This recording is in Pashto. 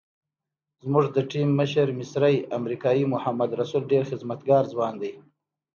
زموږ د ټیم مشر مصری امریکایي محمد رسول ډېر خدمتګار ځوان دی.